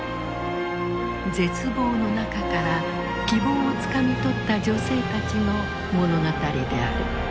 絶望の中から希望をつかみ取った女性たちの物語である。